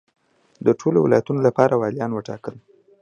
د ټولو ولایتونو لپاره والیان وټاکل.